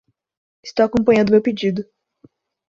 Estou acompanhando meu pedido.